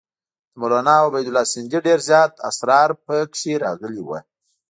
د مولنا عبیدالله سندي ډېر زیات اسرار پکې راغلي وو.